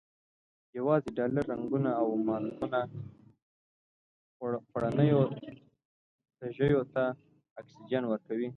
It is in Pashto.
یوازې ډالري رنګونه او ماسکونه خوړینو سږیو ته اکسیجن ورکوي.